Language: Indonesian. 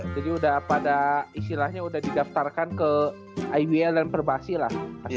jadi udah pada istilahnya udah didaftarkan ke ibl dan perbahasi lah